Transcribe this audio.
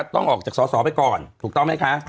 ต้องออกจากสอสอไปก่อนถูกต้องไหมคะ